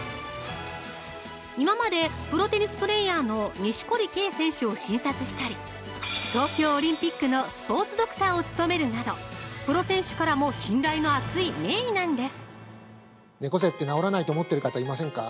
今まで、プロテニスプレイヤーの錦織圭選手を診察したり、東京オリンピックのスポーツドクターを務めるなどプロ選手からも信頼の厚い名医なんです。